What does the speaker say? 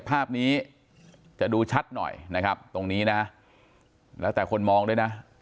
ภาพนี้จะดูชัดหน่อยนะครับตรงนี้นะแล้วแต่คนมองด้วยนะ